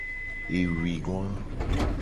Ewuigoa.